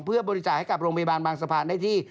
เพื่อบริจาคให้กับโรงพยาบาลบางสะพานได้ที่